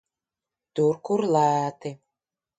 Tur, kur lēti.